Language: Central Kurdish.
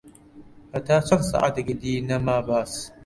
هەتا چەن ساعەتێکی دی نەما باس